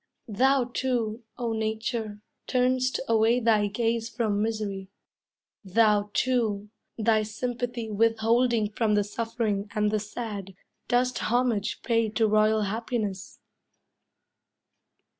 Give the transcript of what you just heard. Thou, too, O Nature, turn'st away thy gaze From misery; thou, too, thy sympathy Withholding from the suffering and the sad, Dost homage pay to royal happiness.